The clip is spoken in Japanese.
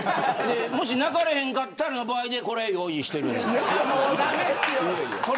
もし泣かれへんかった場合でこれ用意してるんです。